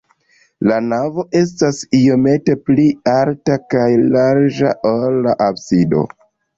La navo estas iomete pli alta kaj larĝa, ol la absido.